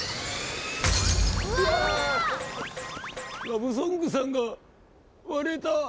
ラブソングさんが割れた。